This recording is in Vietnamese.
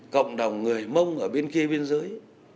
cộng đồng người mông ở bên kia bên dưới